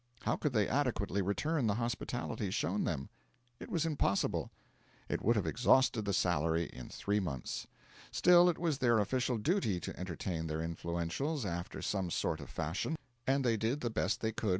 How could they adequately return the hospitalities shown them? It was impossible. It would have exhausted the salary in three months. Still, it was their official duty to entertain their influentials after some sort of fashion; and they did the best they could with their limited purse.